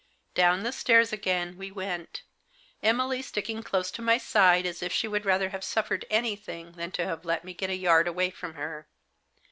Down the stairs again we went ; Emily sticking close to my side as if she would rather have suffered anything than have let me get a yard away from her.